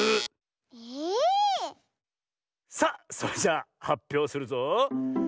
さあそれじゃはっぴょうするぞ。